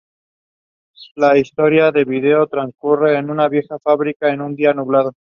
La historia del video transcurre en una vieja fábrica en un día nublado.